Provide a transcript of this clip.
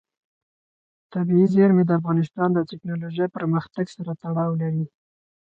طبیعي زیرمې د افغانستان د تکنالوژۍ پرمختګ سره تړاو لري.